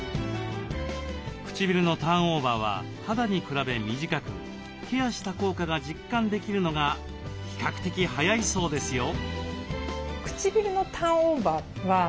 唇のターンオーバーは肌に比べ短くケアした効果が実感できるのが比較的早いそうですよ。